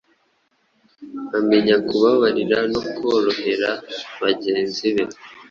Amenya kubabarira no korohera bagenzi be